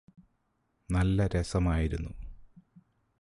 നല്ല രസമായിരുന്നു